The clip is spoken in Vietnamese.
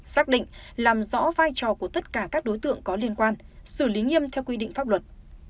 xác định làm rõ vai trò của tất cả các đối tượng có liên quan xử lý nghiêm theo quy định pháp luật